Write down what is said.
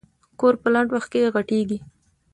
کور په لنډ وخت کې غټېږي.